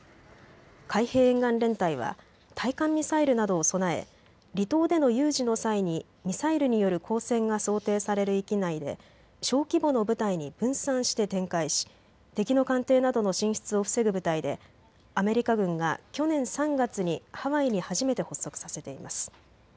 海兵沿岸連隊は対艦ミサイルなどを備え離島での有事の際にミサイルによる交戦が想定される域内で小規模の部隊に分散して展開し敵の艦艇などの進出を防ぐ部隊でアメリカ軍が去年３月にハワイに初めて発足させています。